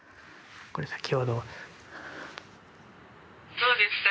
どうですか？